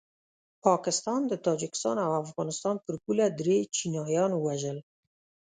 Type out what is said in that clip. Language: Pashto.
پاکستان د تاجکستان او افغانستان پر پوله دري چینایان ووژل